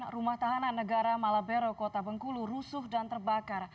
rumah tahanan negara malabero kota bengkulu rusuh dan terbakar